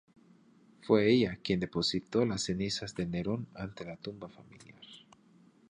Fue ella quien depositó las cenizas de Nerón ante la tumba familiar.